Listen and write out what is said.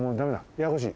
ややこしい。